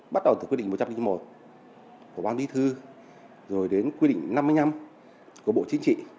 bắt đầu từ quy định một trăm linh một của ban bí thư rồi đến quy định năm mươi năm của bộ chính trị